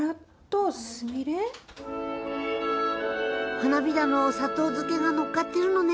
花びらの砂糖漬けがのっかってるのね。